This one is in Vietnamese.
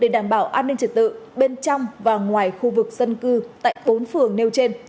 đảm bảo an ninh trật tự bên trong và ngoài khu vực dân cư tại bốn phường nêu trên